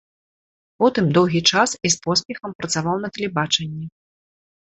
Потым доўгі час, і з поспехам, працаваў на тэлебачанні.